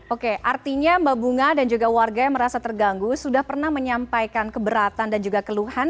oke artinya mbak bunga dan juga warga yang merasa terganggu sudah pernah menyampaikan keberatan dan juga keluhan